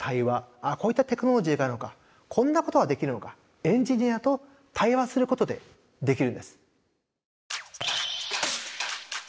あっこういったテクノロジーがあるのかこんなことができるのか。エンジニアと対話することでできるんです。